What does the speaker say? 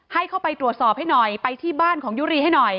ให้เข้าไปตรวจสอบให้หน่อยไปที่บ้านของยุรีให้หน่อย